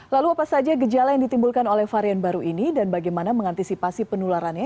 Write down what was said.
lalu apa saja gejala yang ditimbulkan oleh varian baru ini dan bagaimana mengantisipasi penularannya